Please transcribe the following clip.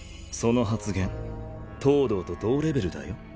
その発言東堂と同レベルだよ。